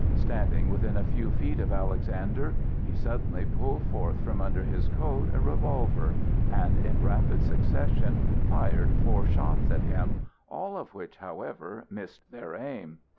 Standing within a few feet of Alexander, he suddenly pulled forth from under his coat a revolver, and, in rapid succession, fired four shots at him, all of which, however, missed their aim.